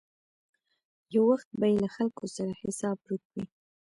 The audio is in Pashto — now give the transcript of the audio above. یو وخت به یې له خلکو څخه حساب ورک وي.